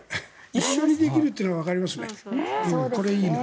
一緒にできるというのがわかりますね。